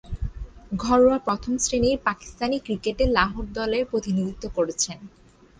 ঘরোয়া প্রথম-শ্রেণীর পাকিস্তানি ক্রিকেটে লাহোর দলের প্রতিনিধিত্ব করেছেন।